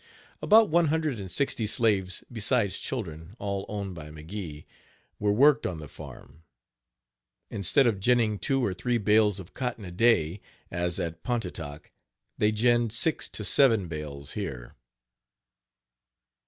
About one hundred and sixty slaves, besides children, all owned by McGee, were worked on the farm. Instead of ginning two or three bales of cotton a day, as at Pontotoc, they ginned six to seven bales here.